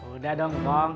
udah dong kong